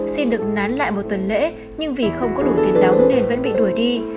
xin được nán lại một tuần lễ nhưng vì không có đủ tiền đóng nên vẫn bị đuổi đi